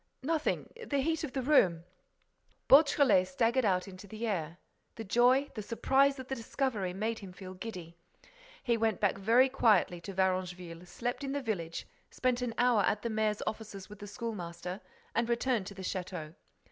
"Nothing—the heat of the room—" Beautrelet staggered out into the air. The joy, the surprise of the discovery made him feel giddy. He went back very quietly to Varengeville, slept in the village, spent an hour at the mayor's offices with the school master and returned to the château.